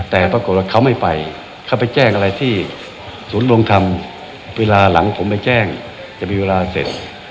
แต่ปรากฏว่าเขาไม่ไปเขาไปแจ้งอะไรที่ศูนย์รวมธรรมเวลาหลังผมไปแจ้งจะมีเวลาเสร็จ